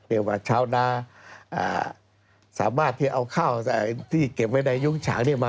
เรียกว่าชาวนาสามารถที่เอาข้าวที่เก็บไว้ในยุ้งฉางมา